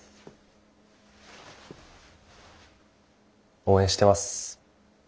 応援してます。